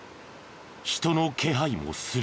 人の気配もする。